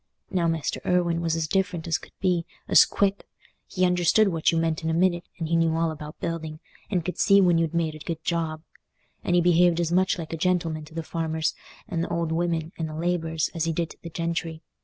Now Mester Irwine was as different as could be: as quick!—he understood what you meant in a minute, and he knew all about building, and could see when you'd made a good job. And he behaved as much like a gentleman to the farmers, and th' old women, and the labourers, as he did to the gentry.